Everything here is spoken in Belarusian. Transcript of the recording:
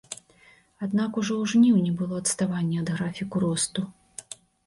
Аднак ужо ў жніўні было адставанне ад графіку росту.